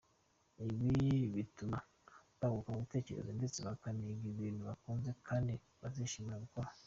Ibi bituma baguka mu bitekerezo, ndetse bakaniga ibintu bakunze kandi bazishimira gukora.